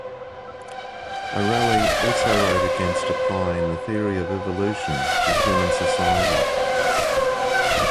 O'Rahilly also wrote against applying the theory of evolution to human society.